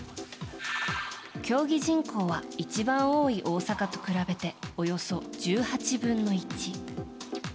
競技人口は一番多い大阪と比べておよそ１８分の１。